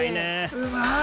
「うまい！」